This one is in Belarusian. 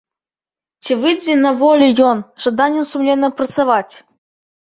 Ці выйдзе на волю ён з жаданнем сумленна працаваць?